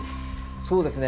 そうですね。